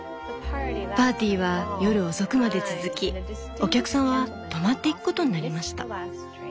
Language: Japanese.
「パーティーは夜遅くまで続きお客さんは泊まっていくことになりました。